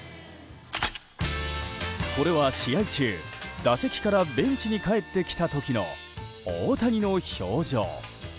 これは試合中、打席からベンチに帰ってきた時の大谷の表情。